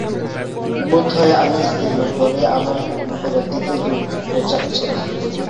বোধ হয় আমি স্ত্রীলোক বলেই আমার উপলব্ধিতে জোর পৌঁচচ্ছে না।